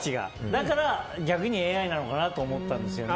だから逆にＡＩなのかなと思ったんですね。